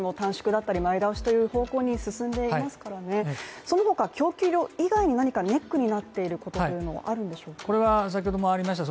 間隔の短縮だったり前倒しという方向に進んでいますからね、その他供給量以外に何かネックになっていることというのはあるんでしょう、これは先ほどもありました